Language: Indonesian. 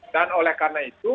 dan oleh karena itu